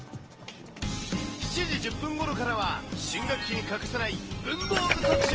７時１０分ごろからは、新学期に欠かせない文房具特集。